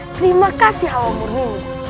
terima kasih hawa murni